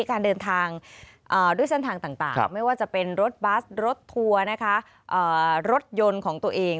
การเดินทางด้วยเส้นทางต่างไม่ว่าจะเป็นรถบัสรถทัวร์นะคะรถยนต์ของตัวเอง